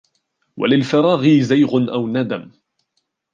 وَلِلْفَرَاغِ زَيْغٌ أَوْ نَدَمٌ